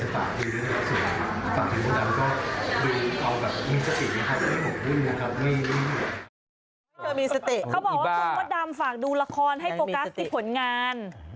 เธอบอกว่าคุณมดดำฝากดูละครให้โฟกัสที่ผลงาน